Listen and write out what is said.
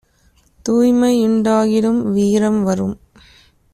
தூய்மை யுண்டாகிடும், வீரம் வரும்."